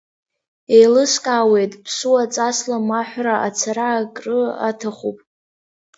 Еилыскаауеит, ԥсуа ҵасла маҳәра ацара акры аҭахуп.